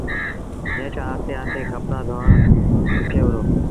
نيٺ آهستي آهستي ڪپڙآ ڌون سکي وُهڙو۔